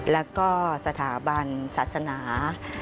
แล้วก็สถาบันศาสนา